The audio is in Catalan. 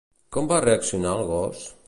Com va reaccionar el gos?